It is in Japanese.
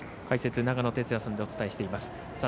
解説、長野哲也さんでお伝えしています。